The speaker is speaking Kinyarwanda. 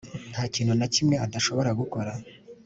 nta kintu na kimwe adashobora gukora